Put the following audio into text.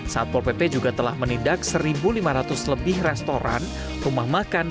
satpol pp juga telah menindak satu lima ratus lebih restoran rumah makan